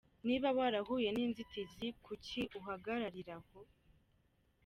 Niba warahuye n’inzitizi kuki uhagararira aho!”.